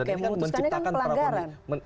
oke memutuskan itu adalah pelanggaran